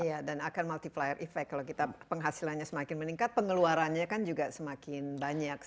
iya dan akan multiplier effect kalau kita penghasilannya semakin meningkat pengeluarannya kan juga semakin banyak